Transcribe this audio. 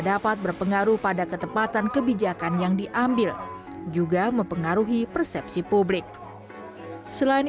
dapat berpengaruh pada ketepatan kebijakan yang diambil juga mempengaruhi persepsi publik selain